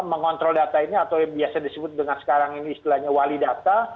mengontrol data ini atau yang biasa disebut dengan sekarang ini istilahnya wali data